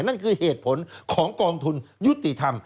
นั่นคือเหตุผลของกองทุนยุติธรรม